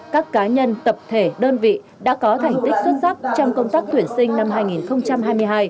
các cá nhân tập thể đơn vị đã có thành tích xuất sắc trong công tác tuyển sinh năm hai nghìn hai mươi hai